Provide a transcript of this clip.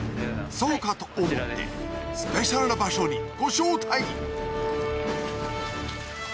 そうかと思ってスペシャルな場所にご招待